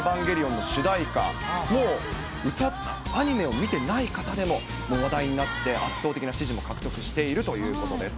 エヴァンゲリオンの主題歌、もう、アニメを見てない方でも話題になって圧倒的な支持を獲得しているということです。